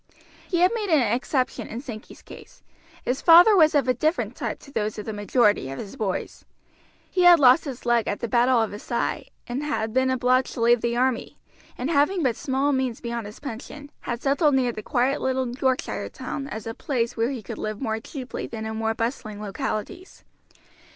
He had made an exception in Sankey's case; his father was of a different type to those of the majority of his boys; he had lost his leg at the battle of Assaye, and had been obliged to leave the army, and having but small means beyond his pension, had settled near the quiet little Yorkshire town as a place where he could live more cheaply than in more bustling localities.